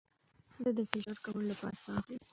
زه د فشار کمولو لپاره ساه اخلم.